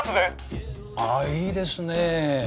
あいいですね。